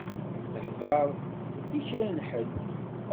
Hḍeṛ i kra n ḥedd.